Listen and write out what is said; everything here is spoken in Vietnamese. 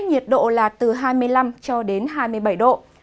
nhiệt độ là từ hai mươi năm cho đến hai mươi bảy độ